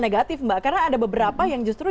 negatif mbak karena ada beberapa yang justru